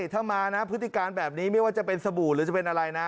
ถ้ามานะพฤติการแบบนี้ไม่ว่าจะเป็นสบู่หรือจะเป็นอะไรนะ